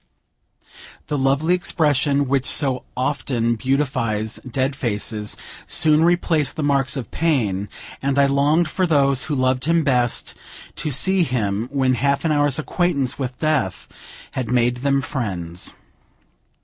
The lovely expression which so often beautifies dead faces, soon replaced the marks of pain, and I longed for those who loved him best to see him when half an hour's acquaintance with Death had made them friends.